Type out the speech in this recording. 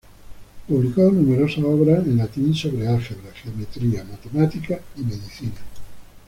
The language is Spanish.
Publicó numerosas obras en latín sobre álgebra, geometría, matemáticas y medicina.